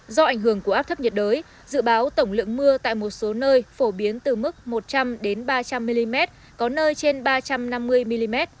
do ảnh hưởng của áp thấp nhiệt đới dự báo tổng lượng mưa tại một số nơi phổ biến từ mức một trăm linh ba trăm linh mm có nơi trên ba trăm năm mươi mm